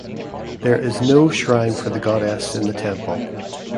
There is no shrine for the Goddess in the temple.